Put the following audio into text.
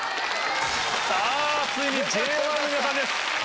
さぁついにＪＯ１の皆さんです。